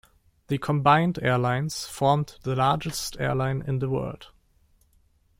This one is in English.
The combined airlines formed the largest airline in the world.